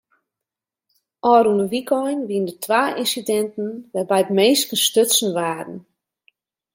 Ofrûne wykein wiene der twa ynsidinten wêrby't minsken stutsen waarden.